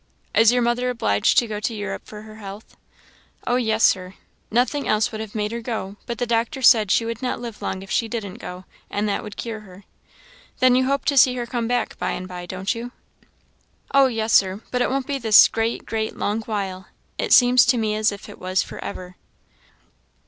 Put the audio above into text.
"Is your mother obliged to go to Europe for her health?" "Oh yes, Sir; nothing else would have made her go, but the doctor said she would not live long if she didn't go, and that would cure her." "Then you hope to see her come back by and by, don't you?" "Oh yes, Sir; but it won't be this great, great, long while; it seems to me as if it was for ever."